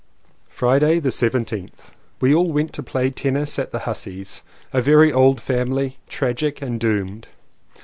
Friday the 17th. We all went to play tennis at the Husseys' — a very old family, tragic and doomed.